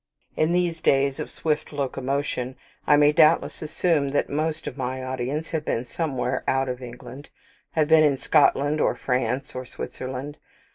In these days of swift locomotion I may doubtless assume that most of my audience have been somewhere out of England have been in Scotland, or France, or Switzerland.